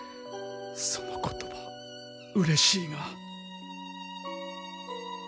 その言葉うれしいがならぬ！